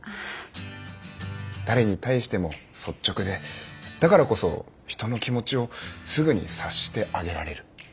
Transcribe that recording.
誰に対しても率直でだからこそ人の気持ちをすぐに察してあげられる。